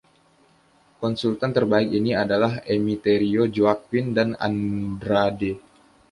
Konsultan terbaik ini adalah Emiterio, Joaquin, dan Andrade.